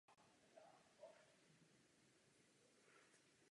Syn lord Nicholas následoval svoji matku a konvertoval také.